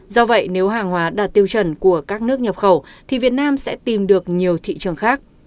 do vậy nếu hàng hóa đạt tiêu chuẩn của các nước nhập khẩu thì việt nam sẽ tìm được nhiều thị trường khác